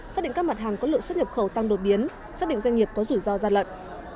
xác định các mặt hàng có lượng xuất nhập khẩu tăng đột biến xác định doanh nghiệp có rủi ro gian lận